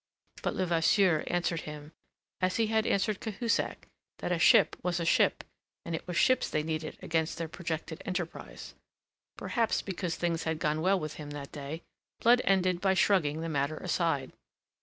But Levasseur answered him, as he had answered Cahusac, that a ship was a ship, and it was ships they needed against their projected enterprise. Perhaps because things had gone well with him that day, Blood ended by shrugging the matter aside.